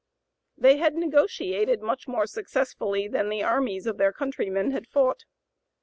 (p. 096) They had negotiated much more successfully than the armies of their countrymen had fought.